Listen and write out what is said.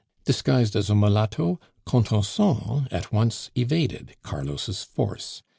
Disguised as a mulatto, Contenson at once evaded Carlos' force.